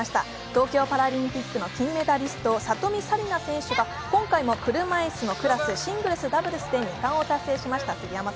東京パラリンピックの金メダリスト、里見紗李奈選手が今回も車いすのクラス、シングルスとダブルスで２冠を達成しました。